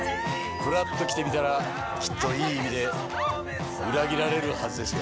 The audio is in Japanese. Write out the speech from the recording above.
ふらっと来てみたらきっと良い意味で裏切られるはずですよ。